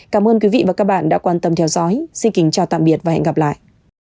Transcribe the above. cảm ơn quý vị và các bạn đã quan tâm theo dõi xin kính chào tạm biệt và hẹn gặp lại